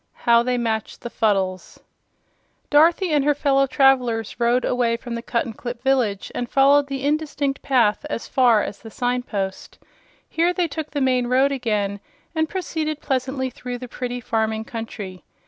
12. How they Matched the Fuddles Dorothy and her fellow travelers rode away from the Cuttenclip village and followed the indistinct path as far as the sign post. Here they took the main road again and proceeded pleasantly through the pretty farming country.